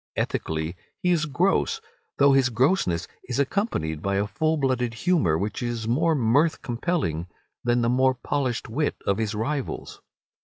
Ethically he is gross, though his grossness is accompanied by a full blooded humour which is more mirth compelling than the more polished wit of his rivals.